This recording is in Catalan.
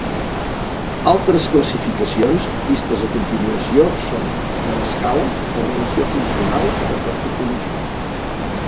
Altres classificacions, vistes a continuació, són: per escala, per relació funcional o per topologia.